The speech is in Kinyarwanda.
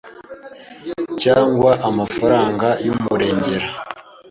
cyangwa amafaranga y’umurengera